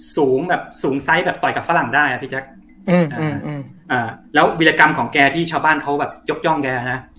สูงแบบสูงไซส์แบบต่อยกับฝรั่งได้อ่ะพี่แจ๊คแล้ววิรกรรมของแกที่ชาวบ้านเขาแบบยกย่องแกฮะ